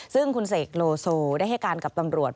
ซึ่งคุณเสกโลโซได้ให้การกับตำรวจ